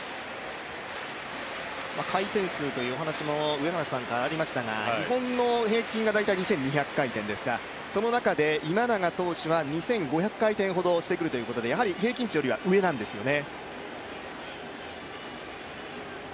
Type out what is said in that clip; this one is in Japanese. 回転数というお話もありましたが、日本の平均は大体２２００回転ですがその中で今永投手は２５００回転ほどしてくるということで、やはり平均値よりは上なんですよね。